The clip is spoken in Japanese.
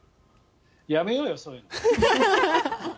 やめようよ、そういうの。